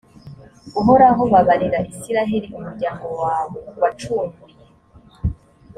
uhoraho, babarira israheli umuryango wawe wacunguye,